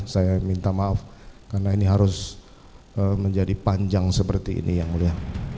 saya minta maaf karena ini harus menjadi panjang seperti ini yang mulia